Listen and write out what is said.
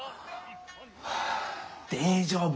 大丈夫。